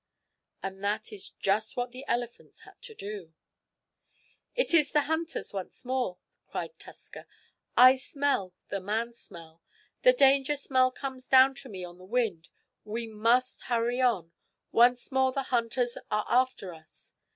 And that is just what the elephants had to do. "It is the hunters once more!" cried Tusker. "I smell the man smell! The danger smell comes down to me on the wind. We must hurry on. Once more the hunters are after us!"